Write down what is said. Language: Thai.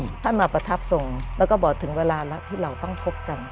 ท่านมาประทับทรงแล้วก็บอกถึงเวลาแล้วที่เราต้องพบกัน